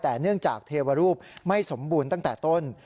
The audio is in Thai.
แต่เนื่องจากเทวรูปไม่สมบูรณ์ตั้งแต่ต้น